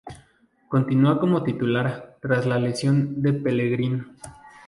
Continua como titular, tras la lesión de Pelegrín.